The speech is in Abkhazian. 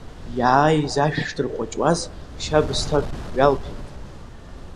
Иааиз ашә шдырҟәыҷуаз, шьабысҭак ҩалԥеит.